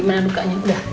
gimana dukanya udah